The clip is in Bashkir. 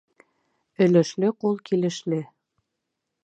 Өлөшлө ҡул килешле.